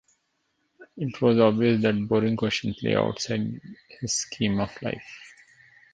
It was obvious that boring questions lay outside his scheme of life.